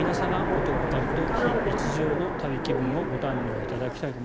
お得感と非日常の旅気分をご堪能いただきたいと。